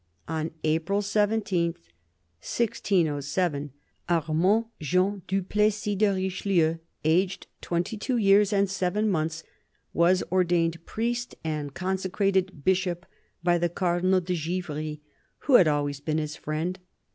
On April 17, 1607, Armand Jean du Plessis de Richelieu, aged twenty two years and seven months, was ordained priest and consecrated bishop by the Cardinal de Givry, who had always been his friend.